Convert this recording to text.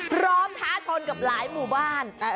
พร้อมทะชนกับหลายหมูบ้าน